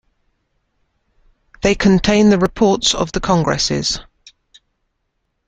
They contain the reports of the congresses.